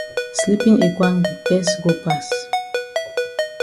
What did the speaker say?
Sleepin ekwang di tess go pass.